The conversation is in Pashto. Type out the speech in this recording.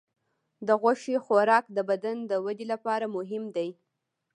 د غوښې خوراک د بدن د وده لپاره مهم دی.